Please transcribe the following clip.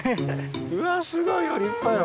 うわすごいよ立派よ。